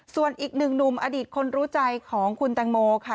ส่วนอีกหนึ่งหนุ่มอดีตคนรู้ใจของคุณแตงโมค่ะ